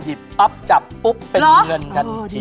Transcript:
หยิบปั๊บจับปุ๊บเป็นเงินทันที